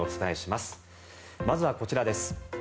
まずはこちらです。